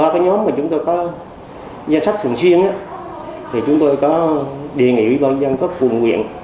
ba cái nhóm mà chúng tôi có danh sách thường xuyên thì chúng tôi có đề nghị quý văn giao ủy quyền